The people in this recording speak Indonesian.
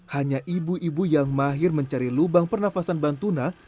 hanya ibu ibu yang mahir mencari lubang pernafasan bantuna